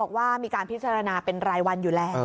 บอกว่ามีการพิจารณาเป็นรายวันอยู่แล้ว